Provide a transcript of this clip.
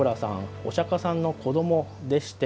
お釈迦さんの子どもでして。